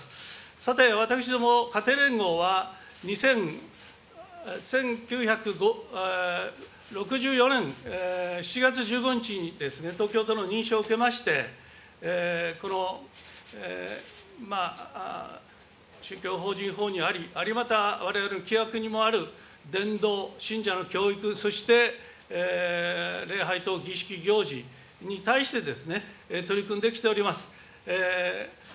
さて、私ども家庭連合は、１９６４年７月１５日に東京都の認証を受けまして、宗教法人法にあり、またわれわれの規約にもある伝道、信者の教育、そして礼拝とう儀式行事に対してですね、取り組んできております。